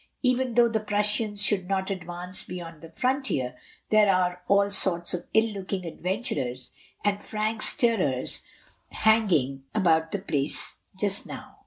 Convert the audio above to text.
Enough though the Prussians should not advance beyond the frontier, there are all sorts of ill looking adventurers and Francs Tireurs hanging about the place just now.